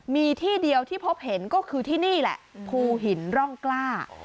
มีที่เดียวที่พบเห็นก็คือที่นี่แหละภูหินร่องกล้า